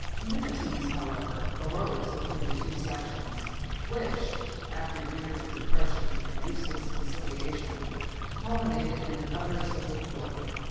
Enmities, however, arose between the two sections, which, after years of repression and useless conciliation, culminated in another civil war.